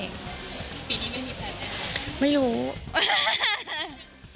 ปีนี้ไม่มีแผนไหม